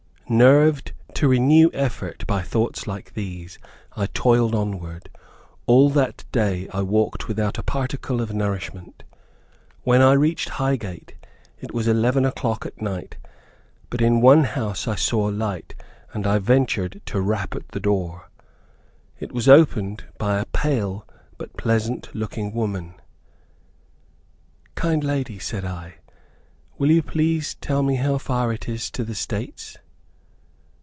Nerved to renewed effort by thoughts like these, I toiled onward. All that day I walked without a particle of nourishment. When I reached Highgate, it was eleven o'clock at night, but in one house I saw a light, and I ventured to rap at the door. It was opened by a pale, but pleasant looking woman. "Kind lady," said I, "will you please tell me how far it is to the States?"